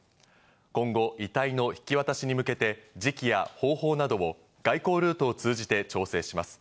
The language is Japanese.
今後、遺体の引き渡しに向けて時期や方法などを外交ルートを通じて調整します。